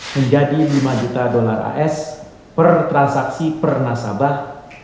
menjadi lima juta dolar as per transaksi per nasabah